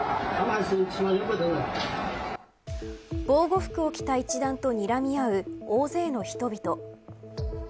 防護服を着た一団とにらみ合う大勢の人々。